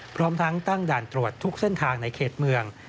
พร้อมทั้งตั้งด่านตรวจทุกเส้นทางในเขตเมือง